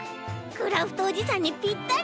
クラフトおじさんにぴったり！